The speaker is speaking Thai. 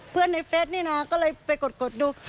อ๋อเพื่อนในเฟสนี้นะก็เลยไปกดดู